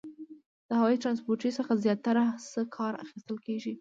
د هوایي ترانسپورتي څخه زیاتره څه کار اخیستل کیږي؟